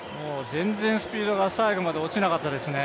全然スピードが最後まで落ちなかったですね。